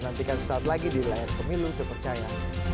nantikan sesaat lagi di layar pemilu terpercaya